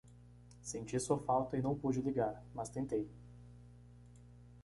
Senti sua falta e não pude ligar, mas tentei.